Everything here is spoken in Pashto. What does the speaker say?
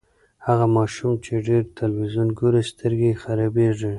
هغه ماشوم چې ډېر تلویزیون ګوري، سترګې یې خرابیږي.